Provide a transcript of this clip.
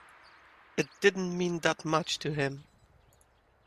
It didn't mean that much to him.